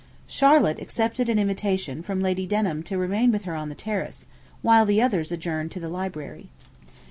'Charlotte accepted an invitation from Lady Denham to remain with her on the terrace, when the others adjourned to the library.